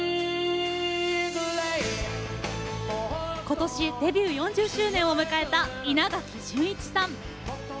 今年デビュー４０周年を迎えた稲垣潤一さん。